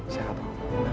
saya gak tahu